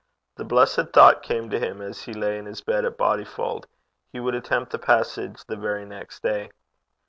The blessed thought came to him as he lay in bed at Bodyfauld: he would attempt the passage the very next day.